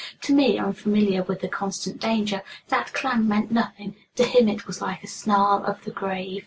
To me, unfamiliar with the constant danger, that clang meant nothing; to him it was like a snarl of the grave.